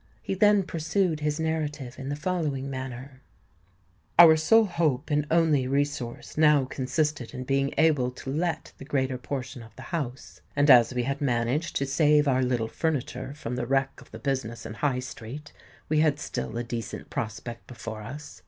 He then pursued his narrative in the following manner:— "Our sole hope and only resource now consisted in being able to let the greater portion of the house; and as we had managed to save our little furniture from the wreck of the business in High Street, we had still a decent prospect before us.